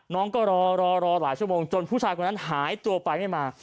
น้องก็รอรอหลายชั่วโมงจนผู้ชายคนนั้นหายตัวไปไม่มา